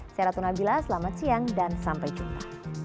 saya ratna bila selamat siang dan sampai jumpa